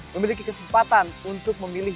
memiliki kesempatan untuk memilih